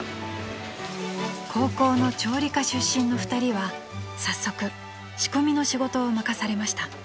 ［高校の調理科出身の２人は早速仕込みの仕事を任されました］